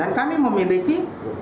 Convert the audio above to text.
dan kami memiliki dua delapan